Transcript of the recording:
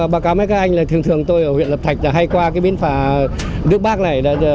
báo cáo mấy các anh là thường thường tôi ở huyện lập thạch hay qua cái biến phà nước bắc này